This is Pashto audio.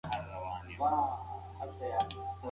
هغه سړی به په روسيه کې ژوند کوي.